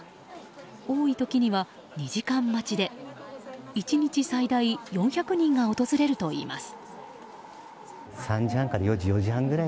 多い時には２時間待ちで１日最大４００人が訪れるといいます。